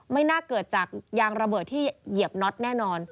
ไม่น่าเกิดจากยางระเบิดที่เหยียบน็อตแน่นอน